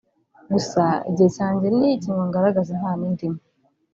…gusa igihe cyanjye ni iki ngo ngaragaze impano indimo